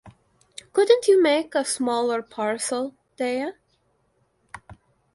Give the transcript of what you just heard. Couldn't you make a smaller parcel, Thea?